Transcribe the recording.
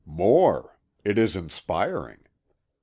"More. It is inspiring.